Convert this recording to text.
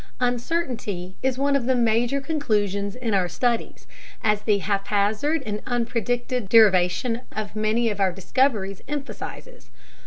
Uncertainty is one of the major conclusions in our studies, as the haphazard and unpredicted derivation of many of our discoveries emphasizes.